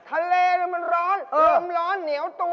ทะเลมันร้อนลมร้อนเหนียวตัว